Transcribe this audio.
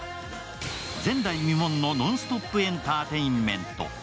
前代未聞のノンストップ・エンターテインメント。